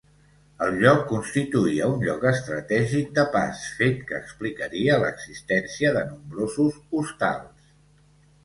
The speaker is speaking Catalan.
El lloc constituïa un lloc estratègic de pas fet que explicaria l'existència de nombrosos hostals.